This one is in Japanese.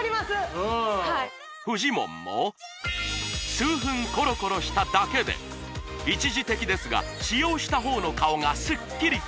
うんフジモンも数分コロコロしただけで一時的ですが使用した方の顔がスッキリ